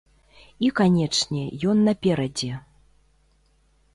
І, канечне, ён наперадзе.